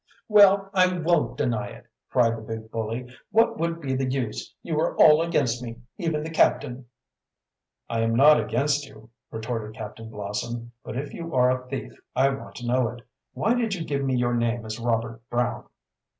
"Well, I won't deny it," cried the big bully. "What would be the use you are all against me even the captain." "I am not against you," retorted Captain Blossom. "But if you are a thief I want to know it. Why did you give me your name as Robert Brown?"